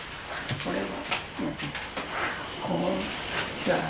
これは？